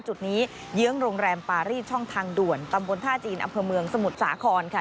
จุดนี้เยื้องโรงแรมปารีสช่องทางด่วนตำบลท่าจีนอำเภอเมืองสมุทรสาครค่ะ